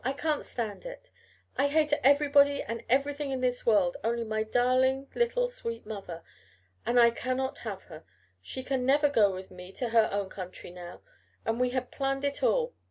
"I can't stand it! I hate everybody and everything in this world only my darling little sweet mother! And I cannot have her! She can never go with me to her own country now, and we had planned it all!